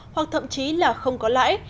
hoặc thậm chí là không có lãi